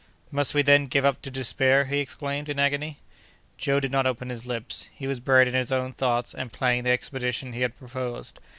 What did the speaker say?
"Must we, then, give up to despair?" he exclaimed, in agony. Joe did not open his lips. He was buried in his own thoughts, and planning the expedition he had proposed.